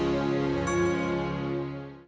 sayang sebentar saja ya